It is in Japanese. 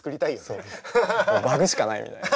そうバグしかないみたいな。